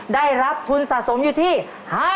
ได้รับทุนสะสมอยู่ที่๕๐๐๐บาท